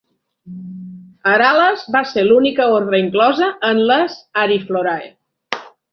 Arales va ser l'única ordre inclosa en les Ariflorae.